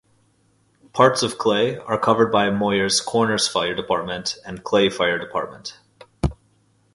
Parts of Clay are covered by Moyers Corners Fire Department and Clay Fire Department.